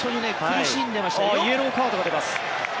イエローカードが出ます。